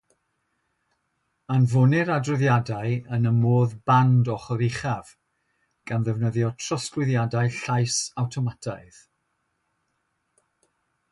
Anfonir adroddiadau yn y modd band ochr uchaf, gan ddefnyddio trosglwyddiadau llais awtomataidd.